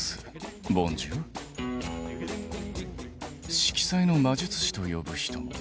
色彩の魔術師と呼ぶ人も。